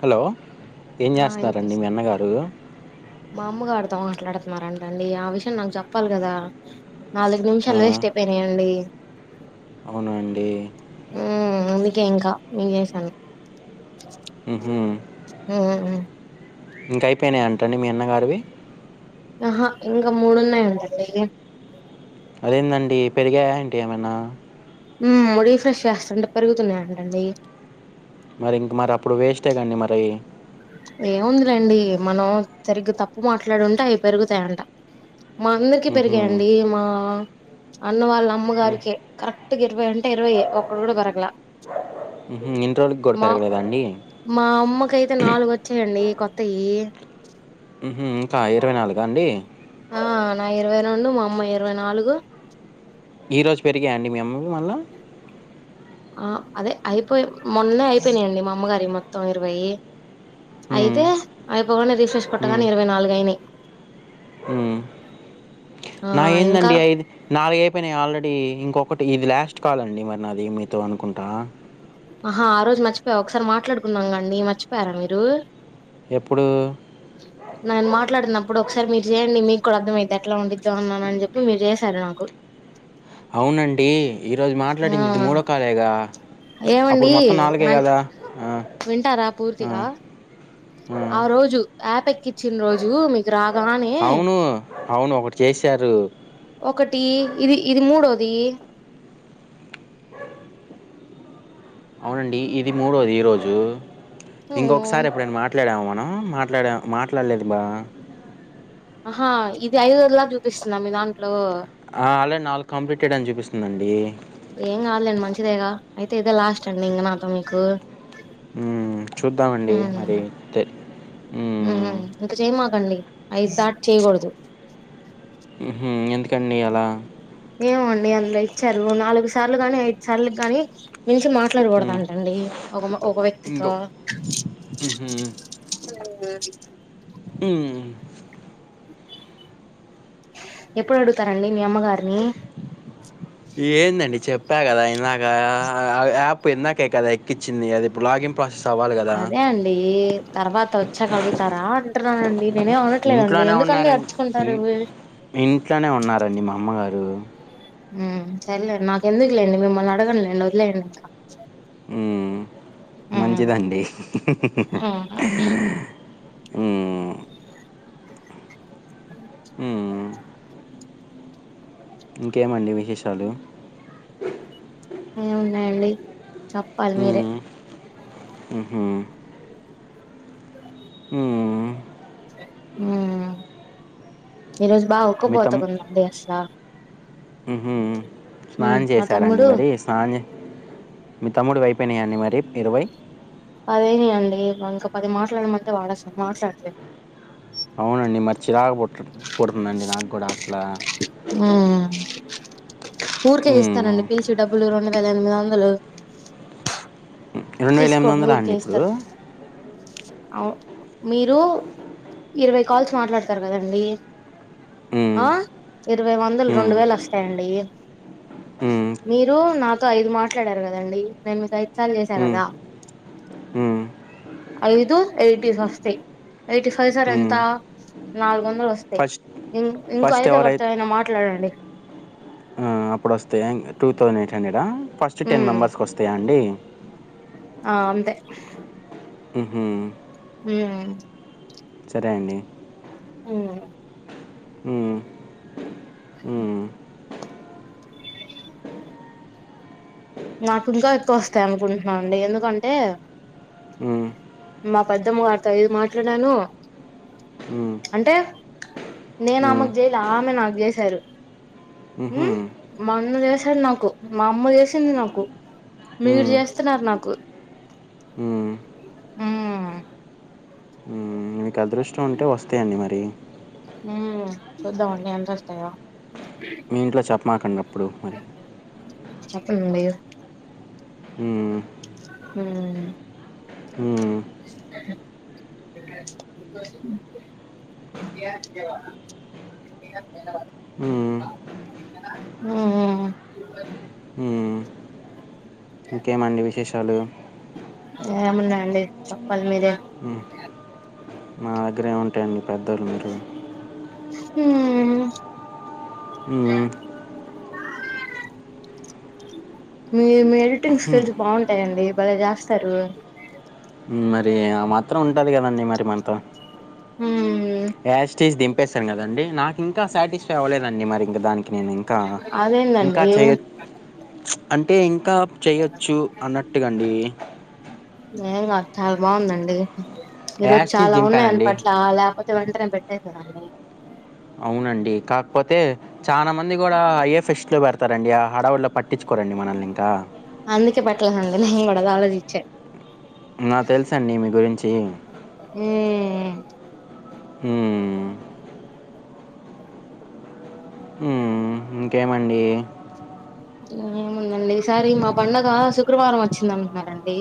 Hello ఏం ఆ ఇనిపిస్ చేస్తున్నారండి మీ అన్నగారు మా అమ్ము గాడితో మా మాట్లాడుతున్నారంటండి ఆ విషయం నాకు చెప్పాలి కదా నాలుగు ఆ, నిమిషాలు వేస్ట్ అయిపోయినాయండి అవునా అండి ఉ అందుకే ఇంకా మీకు చేసాను మ్హూ. ఉ హ ఉ ఇంక అయిపోయినఅట్ట మీ అన్నగారివి ఆహా ఇంకా మూడు ఉన్నాయి అంట అండి ఇది అది ఏంది అండి పెరిగాయా ఏంటి ఏమన్నా ఉమ్ రిఫ్రెష్ చేస్తుంటే పెరుగుతున్నాయి అంట అండి మరి ఇంక మరి అప్పుడు వేస్టే కండి మరి ఏముందిలేండి మనం సరిగ్గా తప్పు మాట్లాడుంటే అవి పెరుగుతాయి అంట మా అందరికి మ్హూ. పెరిగాయండి మా అన్న వాళ్ళ మ్, అమ్మగారికే కరెక్ట్ టిక్ ఇరవై అంటే ఇరవై ఒక్కటి కూడా దోరకలా మ్హూ. ఇన్ని రోజులకి కూడా మా పెరగలేదా అండి మా అమ్మ కైతు అయితే నాలుగు వచ్చాయండి కొత్తయి ఉహు ఇంకా ఇరవై నాలుగ అండి నాయి ఇరవై రెండు మా అమ్మ య్ ఇరవై నాలుగు ఈరోజు పెరిగాయా అండి మీ అమ్మ వీ మళ్ళా ఆ అదే అయిపోయి మొన్న అయిపోయినాయండి మా అమ్మగారి మొత్తం ఇరవై మ్, అయితే అయిపోగానే రిఫ్రెష్ కొట్టగానే ఇరవై నాలుగు అయినాయి ఉ ఆ నాయ్ ఇంకా ఏందండి ఐదు నాలుగు అయిపోయినాయి ఆల్రెడీ ఇంకొకటి ఇది లాస్ట్ కాల్ అండి మరి నాది మీతో అనుకుంటా ఆహా ఆ రోజు మర్చిపోయా ఒకసారి మాట్లాడుకున్నాం కాండి మర్చిపోయారా మీరు ఎప్పుడు నేను మాట్లాడినప్పుడు ఒకసారి మీరు చేయండి మీకు కూడా అర్థం అయితే ఎట్లా వండిద్దా అన్నాననీ చెప్పి మీరు చేశారు నాకు అవునండి ఈరోజు మాట్లాడింది ఇది మూడోకాలేగా ఏవండి మ వింటారా ఆ, పూర్తిగా ఆ రోజు యాప్ ఎక్కించిన రోజు మీకు రా రానే అవును అవును ఒకటి చేశారు ఒకటి ఇది ఇది మూడోది అవునండి ఇది మూడోది ఈరోజు అవును ఇంకొకసారి ఎప్పుడైన మాట్ ట్లాడామా మనం మాట్లాడ మాట్లాడలేదు బా ఆహా ఇది ఐదోదిలా చూపిస్తుందా మీ దాంట్లో ఆ ఆల్రెడీ నాలుగు కంప్లీటెడ్ అని చూపిస్తుందండి ఏం కాదులెండి మంచిదేగా అయితే ఇదే లాస్ట్ అండి ఇంక నాతో మీకు మ్ చూద్దామండి మరి తె మ్ హు మ్మ్. ఇంకా చేయమాకండి ఐదు దాటి చేయకూడదు ఉమ్ హు ఎందుకండి అలా ఏమో అండి అందులో ఇచ్చారు నాలుగు సార్లు గాని ఐదు సార్లు గాని మించి మ్మ్. మాట్లాడకూడదంటండి ఒక ఒక వ్యక్తి తో ఇంకో మ్హూ. మ్మ్. ఎప్పుడు అడుగుతారండి మీ అమ్మగారిని ఏందండి చెప్ ప్పా కదా ఇందకా యాప్ ఇందాకే కదా ఎక్కించిింది అది ఇప్పుడు లాగిన్ ప్రాసెస్ అవ్వాలి కదా అదే అండి తర్వాత వచ్చాకడుగుతారా అంటునానండి నేనేం అనట్లేదండి ఇంట్లోనే ఎందుకండి ఉన్నారండి అడుచుకుంటారు ఇన్- ఇవి ఇంట్లోనే ఉన్నారండి మా అమ్మగారు మ్ సరేలేండి నాకు ఎందుకు లేండి మిమ్మల్ని అడగనులేండి వదిలేయండి ఇంకా మ్మ్. ఉమ్, మంచిదండి ఉమ్, మ్ మ్మ్. ఇంకేమండి విశేషాలు ఎం ఉన్నాయండి చెప్పాలి మీరే ఉమ్ హు మ్మ్. ఈరోజు బా ఉక్కపోతగా ఉందండి అసలా ఉమ్ హు ఉమ్ స్నానం మా చేశారండి తమ్ముడు మరి స్నానం చే మీ తమ్ముడువైపోయినాయండి మరి ఇరవై పది అయినయ్ అండి ఇంకా పది మాట్లాడమంటే వాడసలు మాట్లాడలేదు అండి మరి చిరాకు పడు పడుతుందండి నాకు కూడా అసలు మ్ ఊరికే మ్మ్. ఇస్తనండి పిలిచి డబ్బులు రెండు వేల ఎనిమిది వందలు రెండు వేల ఎనిమిది తీసుకోండి వందలా అండి ఊరికే ఇప్పుడు ఇస్తారు అవు మీరు ఇరవై కాల్స్ మాట్లాడతారు కదండి మ్మ్, ఆ ఇరవై వందలు మ్మ్, రెండు వేలు వస్తాయండి మ్మ్, మీరు నాతో ఐదు మాట్లాడారు కదండి నేను మీకు ఐదు సార్లు చేస్ సా మ్మ్, కదా మ్మ్, ఐదు ఎయిటీ స్ వస్తాయ్ ఎయిటీ ఫైవ్ జార్ ఎంత మ్మ్. నాలుగో దలు వస్తయ్ ఫస్ట్ ఇం ఇంకో ఫస్ట్ ఐదు ఎవరితో ఎవరైతే అయిన మాట్లాడండి ఆ అప్పుడు వస్తాయా టూ థౌసండ్ ఎయిట్ హండ్రెడా ఫస్ట్ టెన్ ఉమ్ మెంబర్స్కి వస్తాయా అండి ఆ అంతే ఉమ్ హు మ్ సరే అండి మ్ మ్ నాకు ఇంకా ఎక్కువ వస్తాయి అనుకుంటున్నానండి ఎందుకంటే మ్మ్, మా పెద్దమ్మ గారుతో ఐదు మాట్లాడాను, మ్మ్, అంటే నేను మ్మ్, ఆమెకు చేయలా ఆమె నాకు చేసారు. హ్ మ్హూ, మా అన్న చేసాడు నాకు, మా అమ్మ చేసింది నాకు. మీరు చేస్తున్నారు నాకు. హ్ ఆ మీకు అదృష్టం ఉంటే వస్తయండి మరి. ఉ చూద్దామండి ఎంత వస్తాయో. మీ ఇంట్లో చెప్పమాకండి అప్పుడు మరి. చెప్పనండి. ఉ హ్ ఆ ఎ హ్ మ్మ్. ఉ ఇంకేమండి విశేషాలు? ఏమున్నాయండి చెప్పాలి మీరే. మా దగ్గరేం ఉంటాయండి పెద్దోలు మీరు. హ్ హ్ మీ మీ ఎడిటింగ్ స్కిల్స్ బావుంటాయండి బలే చేస్తారు. మరి ఆ మాత్రం ఉంటది కదండి మరి మనతో మ్మ్ యాస్ టీస్ దింప్ పేసాను కదండి. నాకు ఇంకా సాటిస్ఫై అవ్వలేదండి మరి ఇంకా దానికి. నేను ఇంకా ఇంకా అదేందండి చేయ్య చ్చు అంటే ఇంకా చేయొచ్చు అన్నట్టుగా అండి. ఏం కాదు చాలా బావుందండి. ఈరోజు యాస్టీస్ చాలా ఉన్నాయని దింపానండి బట్లు ఆ లేపోతే తే వెంటనే పెట్టేద్దునండి. అవునండి కాకపోతే చానా మంది కూడా అయ్యే ఫెస్ట్ లో పెడతారండి ఆ హడావిడిలో పట్ ట్టించుకోరండి మనల్ని ఇంకా. ఎట్లా హ్యాండిల్ హి వాడు అదే ఆలోచిచ్చే నా తెలుసు అండి మీ గురించి. హ్ హ్ మ్మ్. ఇంకేమండి. ఏముందండి ఈసారి మా పండుగ శుక్రవారం వచ్చిందంటున్నారండి.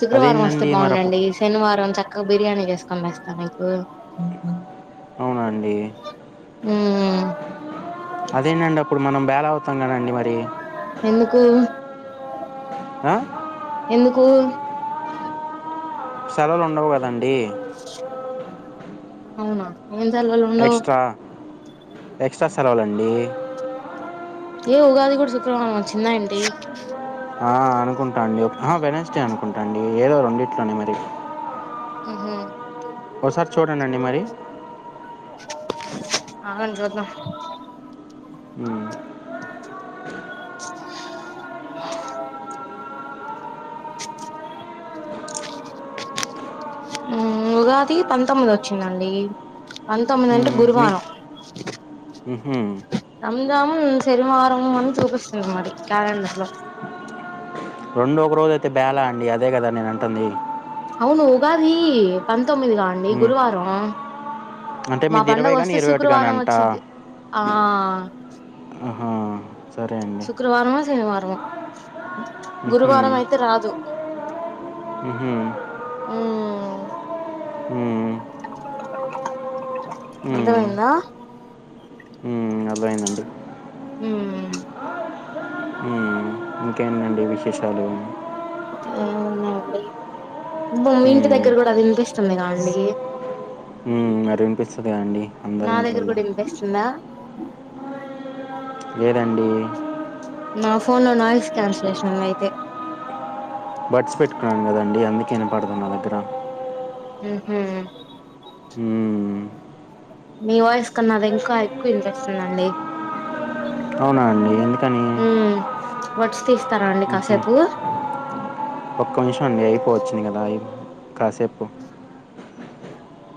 శుక్రవారం వస్తే అదేంటండి మరి అప్పు- బావుండండి, శనివారం చక్కగా బిర్యానీ చేసుకొని తేస్తా నీకు. అండి హ్మ్ కష్టం కదా అండి మరి. ఎందుకు [inaudible] ఆ ఎందుకు? సెలవు ఉండవు కదండి. అవునా ఏం సెలవులు ఉండవు. ఎక్స్ట్రా ఎక్స్ట్రా సెలవులండి. ఏ ఉగాది గుడ శుక్రవారం వచ్చిందా ఏంటి? ఆ అనుకుంటా అండి, అహ వెడ్నెస్డే అనుకుంటా అండి, ఏదో రెండిట్లోనే మిరు ఉహు ఒసారి చూడండండి మరి ఆగండి చూద్దాం. ఉమ్ [inaudible] [inaudible] [inaudible] ఉమ్ ఉగాది పంతొమ్మిది వచ్చిందండి. పంతొమ్మిది అంటే గురువారం. ఉహు రంజాము ఈ సెనివారమ అని చూపిస్తుంది మరి కేెలండర్ లో. రెండ ఒక రోజైతే బాల అండి, అదే కదా నేను అంటుంది అవును ఉగాది పంతొమ్మిది గ అండి ఉమ్, గురువారం. అంటే మా మీది పండగ ఇరవై కానీ వస్తే ఇరవై ఒకటి కానీ శుక్రవారం అంట వచ్చిది ఆ ఆ శుక్రవారమో శనివారమో ఉహుం, గురువారం అయితే రాదు ఉహు ఉమ్ ఉమ్ ఉమ్, అర్థమైందా? ఉమ్ అర్థమైందండి. ఉమ్ ఉమ్ ఇంకేంటండి విశేషాలు? ఏం ఉన్నాయండి, మీ ఇంటి మ్మ్. దగ్గర కూడా ఇనిపి న్నయ అండి ఉమ్ అది వినిపిస్తదదండి, అందరి ఇంట్లల్లో అ లేదండి నా ఫోన్ లో నాయిస్ క్యాన్సల్ చేసినం అయితే బడ్స్ పెట్టుకున్నాను కదండి అందుకే ఇనపడుతుంది నా దగ్గర ఉహు ఉమ్ మీ వాయిస్ కన్నా అది ఇంకా ఎక్కువ ఇనిపిస్తుందండి. అవునా అండి ఎందుకని ఉమ్ బర్డ్స్ తీస్తారా అండి మ్హూ. కాసేపు ఒక్క నిమిషం అండి, అయిపోవచ్చింది కదా అ కాసేపు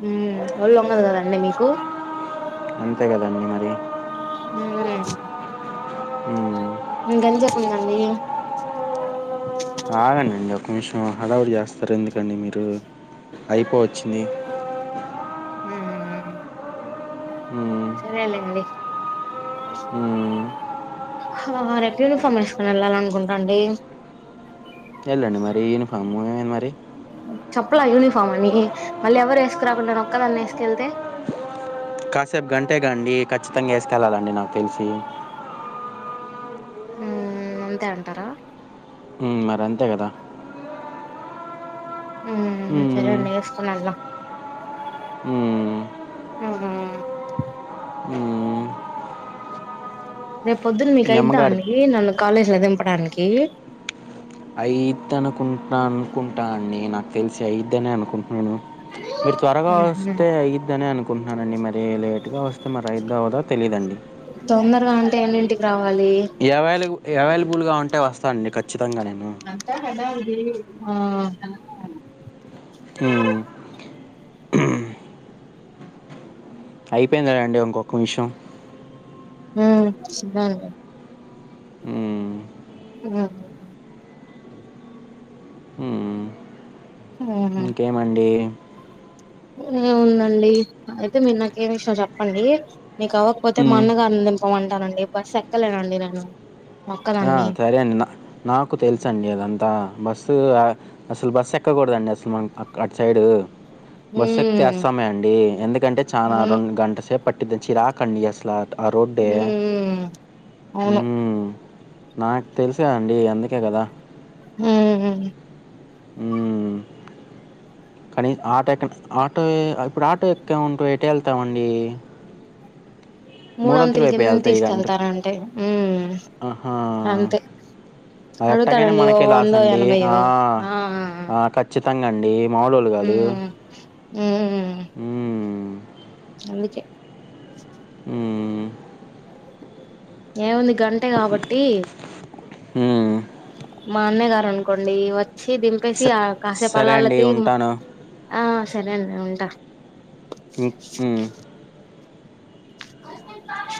ఉమ్ ఒళ్ళు ఉంగదు కదండి మీకు అంతే కదండి మరి వేరేయి ఉమ్ ఇంగేతజేపు ఉందండి? చూసిన హడావిడి చేస్తారు ఎందుకండి మీరు, అయిపోవచ్చింది. ఉమ్ మ్మ్. సరే లేండి మ్మ్. హహ రేపు యూనిఫామ్ ఏసుకని వెళ్ళాలనుకుంటాండి. వెళ్ళండి మరి యూనిఫామ్, ఏమంది మరి చెప్పలా యూనిఫామని మళ్ళీ ఎవరు వేసుకురాకుండా నేను ఒక్కదాన్ని ఏసుకెళ్తే. కాసేపు గంటేగాండి, ఖచ్చితంగా ఏసుకెళ్ళాలండి నాకు తెలిసి. ఉ అంతే అంటారా ఊ మరి అంతే కదా సరే అండి విసుకుని వెళ్ళ ఉ ఉ హు ఉమ్. రేపు పొద్దున్న మీకు మీ అయిద్దా అమ్మగారు అండి నన్ను కాలేజీలో దింపడానికి అయిదు అనుకుంటా అనుకుంటా అండి నాకు తెలిసి అయిద్ని అనుకుంటున్నాను మీరు త్వరగా మ్మ్ హు వస్తే అయిద్దని అనుకుంటున్నానండి మరీ లేట్ లేటుగా వస్తే అయితదో అవ్వదు తెలీదండి చెప్పాలి అవైలబుల్గా ఉంటే వస్తానండి ఖచ్చితంగా నేను అంతా హడావిడి ఆ ఉ అయిపోయిందదా అండి ఇంకొక్క నిమిషం ఉ దాంది ఉమ్, ఉహు ఉ హ వచ్చామండి ఏ ఉందండి అయితే మీరు నాకు ఏ విషయం చెప్పండి నీకు అవ్వకపోతే మా ఉమ్. అన్నగానీ దింపమంటానండి బస్సు ఎక్కలేనండి నేను ఎక్కనండి సరే అండి నా నాకు తెలుస అంది అంతా బస్సు అసలు బస్ ఎక్కకూడదండి అసలు మనము అటు సైడు బస్సు ఎక్కితే ఉమ్ అస్సమే అండి ఎందుకంటే చాలా అవును రెండు గంట సేపు పట్టింది చాలా చిరాకు అసలు అ రోటే ఉమ్ అవును నాకు తెలిసా అండి అందుకే కదా ఆ హు హ్మ్. కానీ ఆటో ఎక్క ఆటో ఇప్పుడు ఆటో ఎక్క ఉంట ఎటు వెళ్తామండి మూడంతులు మూడొంతుల కింద అయిపోయళ్తాయి ఈ గంటకు తీసుకెళ్తారంటే ఉమ్ అ అంతే ఎట్టకైనా అడుగుతాడండి ఓ మనకే లాస్ వందో అండి ఆ ఆ ఎనభైయో ఆ ఖచ్చిత కచ్చితంగా మాములు వాలు కాదు ఉ ఉ అందుకే మ్మ్. ఏముంది గంటే కాబట్టి మ్మ్. మా అన్నయ్య గారు అనుకోండి వచ్చి దింపేసి ఆ స- కాసేపు సరే అలా అలా అండి తీరీగీ ఉంటాను సరే అండి ఉంటా ఉ ఉ హు మంది బాగా